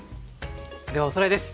ではおさらいです。